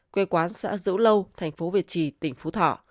quê quán xã dỗ lâu thành phố việt trì tỉnh phú thọ